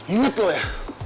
ingat loh ya